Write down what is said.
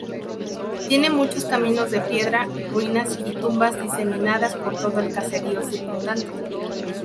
Tiene muchos caminos de piedra, ruinas y tumbas diseminadas por todo el caserío circundante.